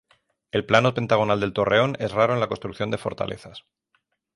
El plano pentagonal del torreón es raro en la construcción de fortalezas.